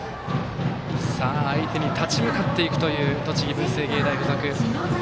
相手に立ち向かっていくという栃木、文星芸大付属。